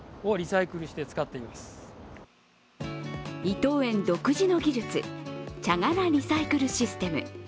伊藤園独自の技術、茶殻リサイクルシステム。